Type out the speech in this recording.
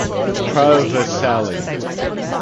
Pro Vercelli.